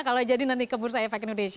kalau jadi nanti ke bursa efek indonesia